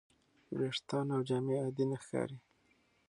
ویښتان او جامې عادي نه ښکاري.